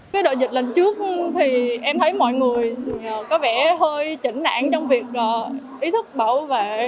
cái đợt dịch lần trước thì em thấy mọi người có vẻ hơi chản trong việc ý thức bảo vệ